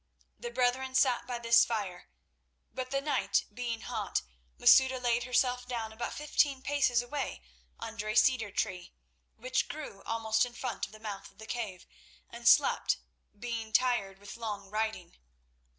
The brethren sat by this fire; but, the night being hot, Masouda laid herself down about fifteen paces away under a cedar tree, which grew almost in front of the mouth of the cave, and slept, being tired with long riding.